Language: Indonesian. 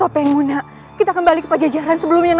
aku harus mencari tempat yang lebih aman